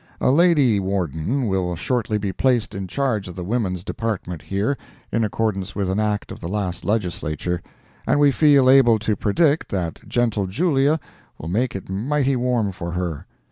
A lady warden will shortly be placed in charge of the women's department here, in accordance with an act of the last Legislature, and we feel able to predict that Gentle Julia will make it mighty warm for her.